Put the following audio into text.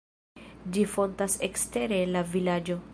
Ĝi fontas ekstere en la vilaĝo.